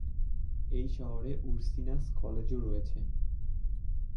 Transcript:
এই শহরে উরসিনাস কলেজও রয়েছে।